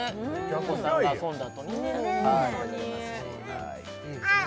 お子さんが遊んだあとにねいいですね